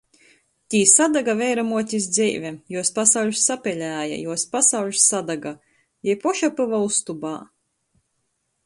Tī sadaga veiramuotis dzeive. Juos pasauļs sapelēja, juos pasauļs sadaga. Jei poša pyva ustobā.